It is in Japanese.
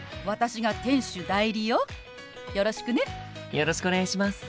よろしくお願いします。